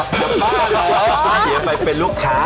เขียนไปเป็นลูกค้า